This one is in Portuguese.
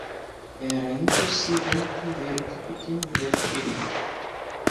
Era impossível entender o que o pequeno Gruff queria.